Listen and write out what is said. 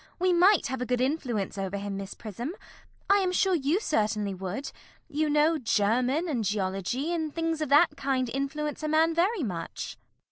We might have a good influence over him, Miss Prism. I am sure you certainly would. You know German, and geology, and things of that kind influence a man very much.